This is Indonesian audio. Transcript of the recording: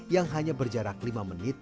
yang hanya berjarak lima menit